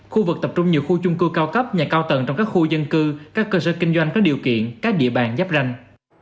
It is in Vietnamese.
khu vực tập trung nhiều khu chung cư cao cấp nhà cao tầng trong các khu dân cư các cơ sở kinh doanh có điều kiện các địa bàn giáp ranh